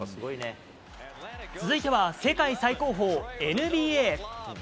続いては世界最高峰、ＮＢＡ。